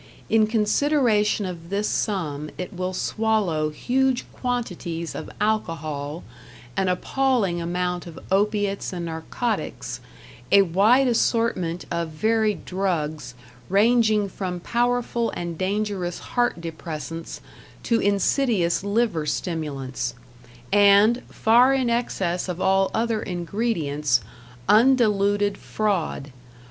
In consideration of this sum it will swallow huge quantities of alcohol, an appalling amount of opiates and narcotics, a wide assortment of varied drugs ranging from powerful and dangerous heart depressants to insidious liver stimulants; and, far in excess of all other ingredients, undiluted fraud.